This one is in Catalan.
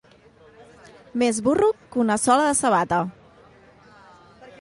Més burro que una sola de sabata.